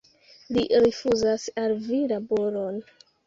Li rifuzas al vi laboron.